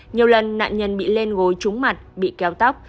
nhiều lần nạn nhân bị lên gối trúng mặt bị kéo tóc